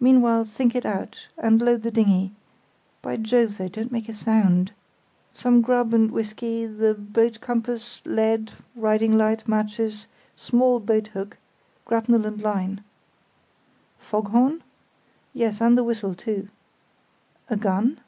Meanwhile, think it out, and load the dinghy—(by Jove! though, don't make a sound)—some grub and whisky, the boat compass, lead, riding light, matches, small boathook, grapnel and line." "Foghorn?" "Yes, and the whistle too." "A gun?"